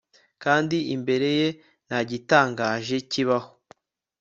kandi imbere ye, nta gitangaje kibaho